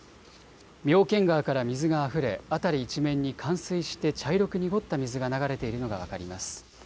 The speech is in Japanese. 妙見川から水があふれ辺り一面に冠水して茶色く濁った水が流れているのが分かります。